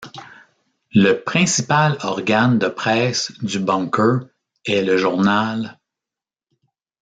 Le principal organe de presse du Bunker est le journal '.